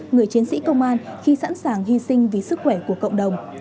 người chiến sĩ công an khi sẵn sàng hy sinh vì sức khỏe của cộng đồng